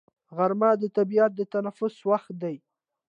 غرمه د طبیعت د تنفس وخت دی